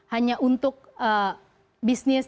hanya untuk bisnis